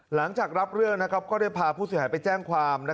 หลังจากรับเรื่องก็ได้พาผู้เสียหายไปแจ้งความ